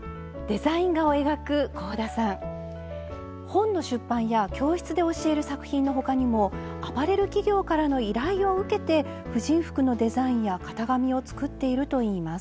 本の出版や教室で教える作品の他にもアパレル企業からの依頼を受けて婦人服のデザインや型紙を作っているといいます。